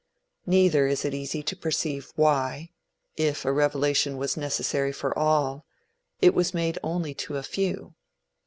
Neither is it easy to perceive why, if a revelation was necessary for all, it was made only to a few.